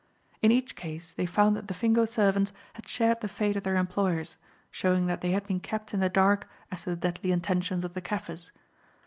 In each case they found that the Fingo servants had shared the fate of their employers, showing that they had been kept in the dark as to the deadly intentions of the Kaffirs.